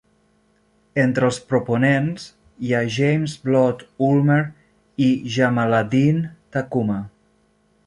Entre els proponents hi ha James Blood Ulmer i Jamaaladeen Tacuma.